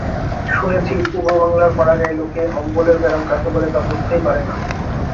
শুনেছি, পূর্ববাঙলার পাড়াগাঁয়ে লোকে অম্বলের ব্যারাম কাকে বলে, তা বুঝতেই পারে না।